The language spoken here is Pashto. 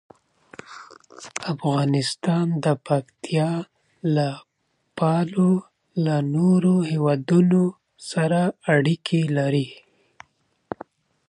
افغانستان د پکتیا له پلوه له نورو هېوادونو سره اړیکې لري.